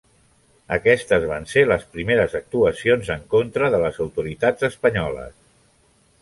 Aquestes van les primeres actuacions en contra de les autoritats espanyoles.